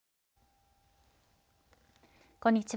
こんにちは。